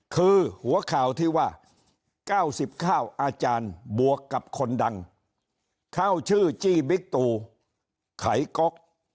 คือหัวข่าวที่ว่า๙๐ข้าวอาจารย์บวกกับคนดังเข้าชื่อจี้บิ๊กตูไขก๊อก